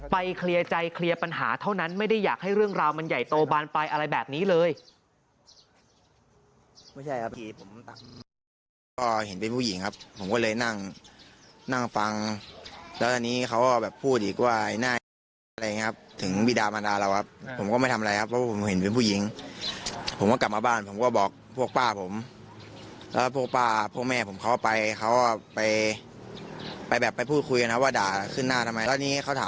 เคลียร์ใจเคลียร์ปัญหาเท่านั้นไม่ได้อยากให้เรื่องราวมันใหญ่โตบานปลายอะไรแบบนี้เลย